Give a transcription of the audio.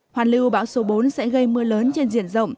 hoàn lưu bão số bốn sẽ gây mưa lớn trên diện rộng